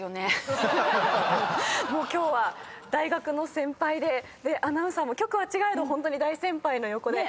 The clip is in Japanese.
今日は大学の先輩でアナウンサーも局は違えどホントに大先輩の横で。